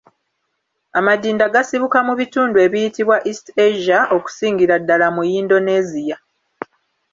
Amadinda gasibuka mu bitundu ebiyitibwa East Asia okusingira ddala mu Yindoneziya.